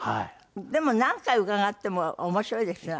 でも何回伺っても面白いですよ